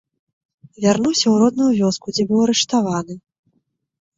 Вярнуўся ў родную вёску, дзе быў арыштаваны.